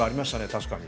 確かに。